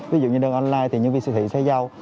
ví dụ như đơn online thì nhân viên siêu thị sẽ giao